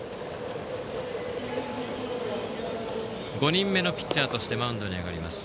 ５人目のピッチャーとしてマウンドに上がります。